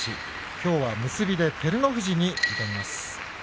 きょうは結びで照ノ富士に挑みます。